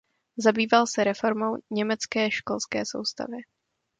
Zabýval se reformou německé školské soustavy.